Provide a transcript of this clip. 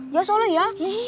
iya seolah ya